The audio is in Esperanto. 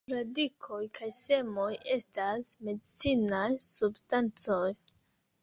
Radikoj kaj semoj estas medicinaj substancoj.